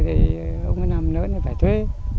thì ông ấy làm lớn thì phải thuê